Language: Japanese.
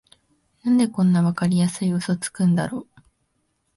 なんでこんなわかりやすいウソつくんだろ